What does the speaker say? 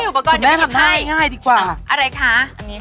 อยู่ได้บ้างอยู่ได้เนอะ